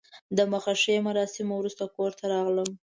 د مخه ښې مراسمو وروسته کور ته راغلم.